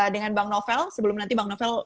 dengan bang novel sebelum nanti bang novel